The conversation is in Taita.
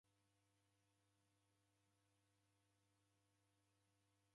Aw'ongo w'aw'eenda w'aya mbogha.